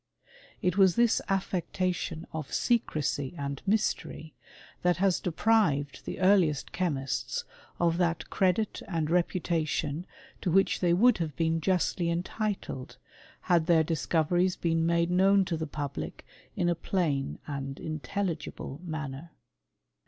It was this affectation of secrecy awl mystery that has deprived the earliest chemists of iJhak credit and reputation to which they would have beiilt justly entitled, had their discoveries been made knotf^f to the public in a plain and intelligible manner.